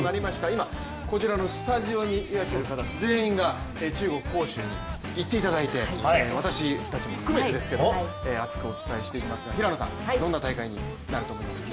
今、こちらのスタジオにいらっしゃる方全員が中国・杭州に行っていただいて、私たちも含めてですけど熱くお伝えしていきますがどんな大会になると思いますか？